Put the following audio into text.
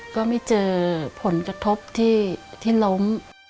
ก็ไม่เจอผลกระทบที่ล้ม